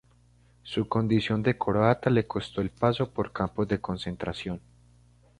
Su condición de croata le costó el paso por campos de concentración.